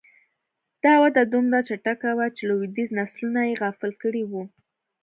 دا وده دومره چټکه وه چې لوېدیځ نسلونه یې غافل کړي وو